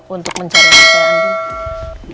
untuk mencari ibu andien